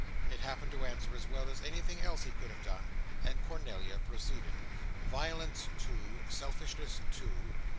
It happened to answer as well as anything else he could have done; and Cornelia proceeded. "'Violence two. Selfishness two.